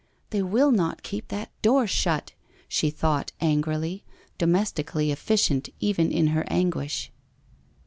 ' 'They will not keep that door shut !' she thought angrily, domestically efficient even in her anguish.